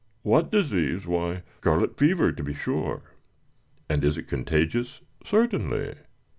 "What disease? Why, scarlet fever, to be sure." "And is it contagious?" "Certainly."